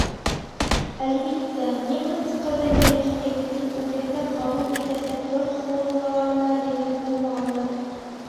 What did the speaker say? Әлбиттә, немец ҡыҙын йәки егетен үҙендә ҡабул итәсәк йорт хужаларына еңел булмағандыр.